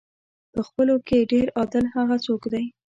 په خپلو کې ډېر عادل هغه څوک دی.